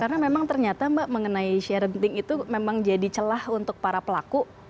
karena memang ternyata mbak mengenai share and think itu memang jadi celah untuk para pelaku